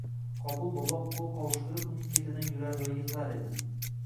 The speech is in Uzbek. Qobil bobo qo‘l qovushtirib uning ketidan yurar va yig‘lar edi